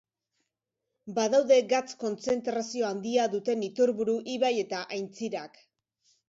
Badaude gatz-kontzentrazio handia duten iturburu, ibai eta aintzirak.